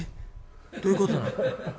どういうことなん？」。